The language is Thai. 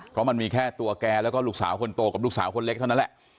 เพราะมันมีแค่ตัวแกแล้วก็ลูกสาวคนโตกับลูกสาวคนเล็กเท่านั้นแหละ